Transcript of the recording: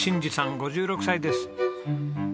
５６歳です。